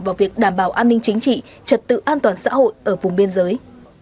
vào việc đảm bảo an ninh chính trị trật tự an toàn xã hội ở vùng biên giới